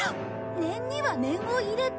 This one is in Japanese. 念には念を入れて。